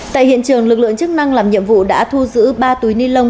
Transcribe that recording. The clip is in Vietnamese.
tại hiện trường lực lượng chức năng làm nhiệm vụ đã thu giữ ba túi ni lông